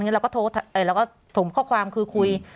เราก็ส่งข้อความคือคุย